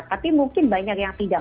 tapi mungkin banyak yang tidak